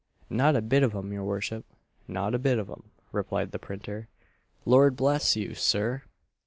"Not a bit of 'em, your worship not a bit of 'em," replied the printer "Lord bless you, Sir!